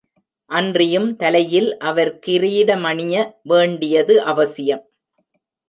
அன்றியும் தலையில் அவர் கிரீடமணிய வேண்டியது அவசியம்.